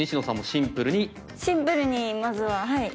シンプルにまずは。